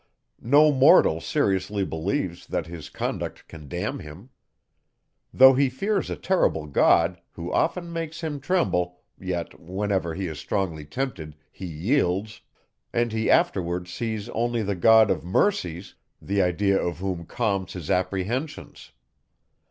No mortal seriously believes, that his conduct can damn him. Though he fears a terrible God, who often makes him tremble, yet, whenever he is strongly tempted, he yields; and he afterwards sees only the God of mercies, the idea of whom calms his apprehensions.